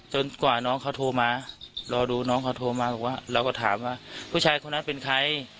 กว่าน้องเขาโทรมารอดูน้องเขาโทรมาบอกว่าเราก็ถามว่าผู้ชายคนนั้นเป็นใคร